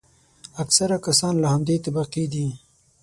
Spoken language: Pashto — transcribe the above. اکثره کسان له همدې طبقې دي.